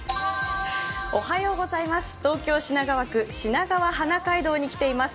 東京・品川区、しながわ花海道に来ています。